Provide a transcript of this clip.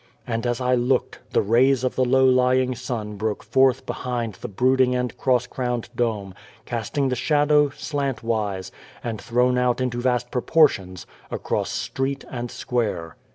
And, as I looked, the rays of the low lying sun broke forth behind the brooding and cross crowned dome, casting the shadow, slant wise, and thrown out into vast proportions, across street and square.